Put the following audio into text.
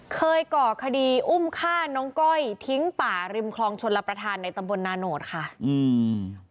ก่อคดีอุ้มฆ่าน้องก้อยทิ้งป่าริมคลองชนรับประทานในตำบลนาโนธค่ะอืม